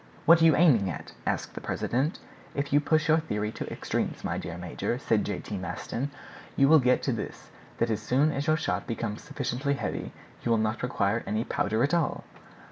"What are you aiming at?" asked the president. "If you push your theory to extremes, my dear major," said J. T. Maston, "you will get to this, that as soon as your shot becomes sufficiently heavy you will not require any powder at all."